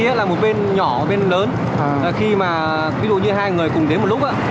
hai cái lối đi đó là một bên nhỏ một bên lớn khi mà ví dụ như hai người cùng đến một lúc đó